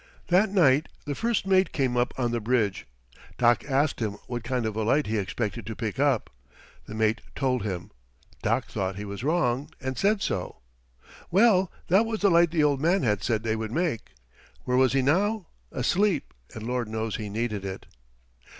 That night the first mate came up on the bridge. Doc asked him what kind of a light he expected to pick up. The mate told him. Doc thought he was wrong, and said so. Well, that was the light the old man had said they would make. Where was he now? Asleep, and Lord knows he needed it.